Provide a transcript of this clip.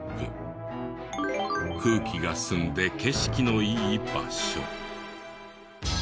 空気が澄んで景色のいい場所。